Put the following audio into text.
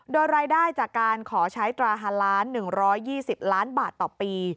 โดยรายได้จากการขอใช้ตรา๕ล้าน๑๒๐ล้านบาทต่อปี